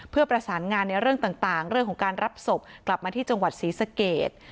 เพื่อประสานงานในเรื่องต่างเรื่องของการรับศพกลับมาที่จังหวัดศรีสเกต